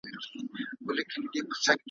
له حملو د ګیدړانو د لېوانو ,